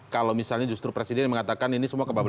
kalau misalnya justru presiden mengatakan ini semua kebebasan